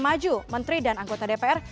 maju menteri dan anggota dpr